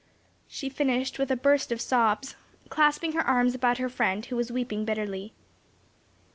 She finished with a burst of sobs, clasping her arms about her friend, who was weeping bitterly.